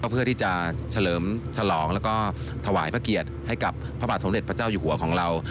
เพื่อที่จะเฉลิมฉลองแล้วก็ถวายพระเกียรติให้กับพระบาทสมเด็จพระเจ้าอยู่หัวของเรา